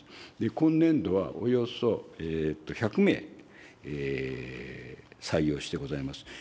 今年度はおよそ１００名、採用してございます。